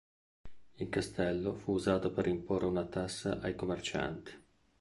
Il castello fu usato per imporre una tassa ai commercianti.